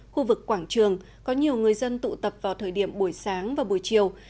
khu vực quảng trường có nhiều người dân tụ tập vào thời điểm buổi sáng và buổi chiều